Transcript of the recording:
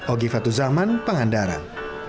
ogifat tuzaman pengandaran